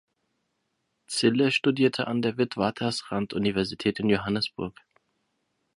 Zille studierte an der Witwatersrand-Universität in Johannesburg.